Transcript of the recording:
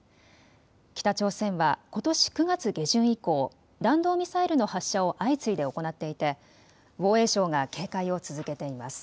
北朝鮮はことし９月下旬以降、弾道ミサイルの発射を相次いで行っていて防衛省が警戒を続けています。